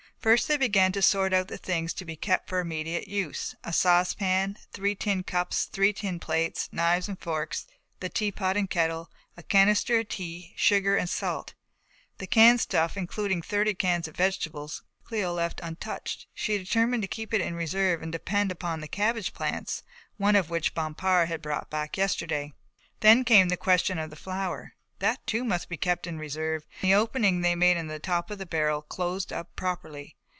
First they began to sort out the things to be kept for immediate use. A saucepan, three tin cups, three tin plates, knives and forks, the teapot and kettle, a canister of tea, sugar and salt. The canned stuff, including thirty cans of vegetables, Cléo left untouched. She determined to keep it in reserve and depend upon the cabbage plants, one of which Bompard had brought back yesterday. Then came the question of the flour, that too must be kept in reserve and the opening they had made in the top of the barrel closed up properly.